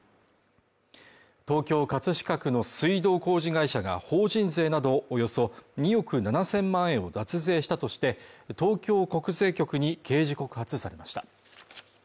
東京葛飾区の水道工事会社が法人税などおよそ２億７０００万円を脱税したとして、東京国税局に刑事告発されました。